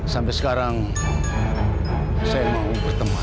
sampai sekarang saya mau bertemu